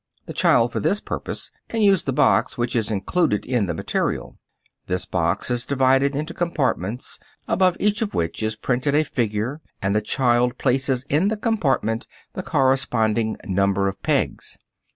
The child for this purpose can use the box which is included in the material. (Fig. 41.) This box is divided into compartments, above each of which is printed a figure and the child places in the compartment the corresponding number of pegs.